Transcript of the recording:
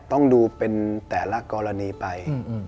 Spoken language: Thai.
ต้องดูเป็นแต่ละกรณีไป